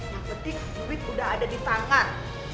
yang penting duit udah ada di tangan